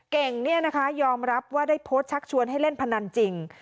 เก่งยอมรับว่าได้โพสต์ชักชวนให้เล่นพนันจริง